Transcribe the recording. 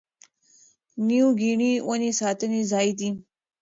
نیو ګیني ونې ساتنې ځای دی.